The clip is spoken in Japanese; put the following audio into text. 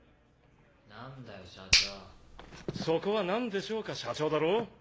・何だよ社長・そこは「何でしょうか社長」だろ？